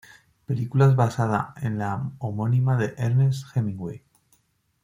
Películas basada en la novela homónima de Ernest Hemingway.